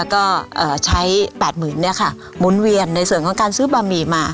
เอ่อใช้แปดหมื่นเนี้ยค่ะหมุนเวียนในส่วนของการซื้อบะหมี่มา